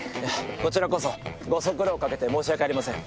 こちらこそご足労かけて申し訳ありません。